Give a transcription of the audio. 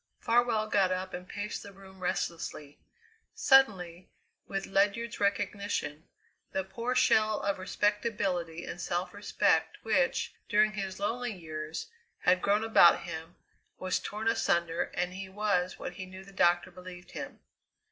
Farwell got up and paced the room restlessly. Suddenly, with Ledyard's recognition, the poor shell of respectability and self respect which, during his lonely years, had grown about him, was torn asunder, and he was what he knew the doctor believed him.